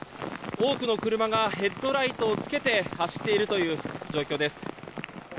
多くの車がヘッドライトをつけて走っているという状況です。